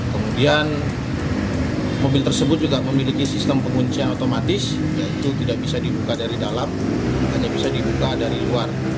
kemudian mobil tersebut juga memiliki sistem penguncian otomatis yaitu tidak bisa dibuka dari dalam hanya bisa dibuka dari luar